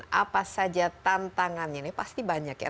yang ideal dan apa saja tantangannya ini pasti banyak ya